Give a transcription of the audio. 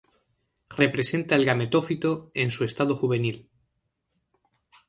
Representa el gametófito en su estadio juvenil.